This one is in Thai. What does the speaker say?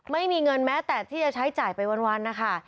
ไม่มีเงินแม้แต่ที่จะใช้จ่ายไปวันนะคะ